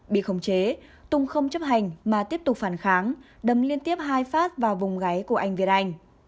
bị khống chế tung không chấp hành mà tiếp tục phản kháng đấm liên tiếp hai phát vào vùng gáy của anh việt anh